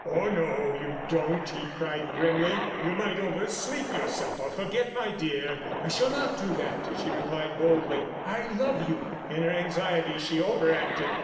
"Oh, no, you don't," he cried grimly. "You might oversleep yourself or forget, my dear." "I shall not do that," she replied boldly. "I love you." In her anxiety she over acted.